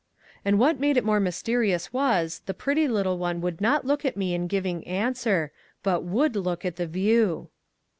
And what made it more mysterious was, the pretty little one would not look at me in giving answer, but would look at the view.